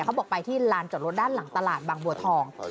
เขาบอกไปที่ลานจอดรถด้านหลังตลาดบางบัวทอง